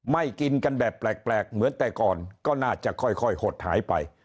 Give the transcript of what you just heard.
กินกันแบบแปลกเหมือนแต่ก่อนก็น่าจะค่อยหดหายไป